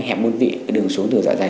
hẹp môn vị đường xuống từ dạ dày